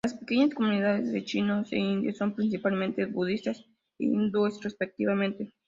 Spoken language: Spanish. Las pequeñas comunidades de chinos e indios son principalmente budistas e hindúes respectivamente.